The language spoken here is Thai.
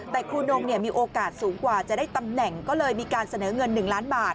แต่ครูนงมีโอกาสสูงกว่าจะได้ตำแหน่งก็เลยมีการเสนอเงิน๑ล้านบาท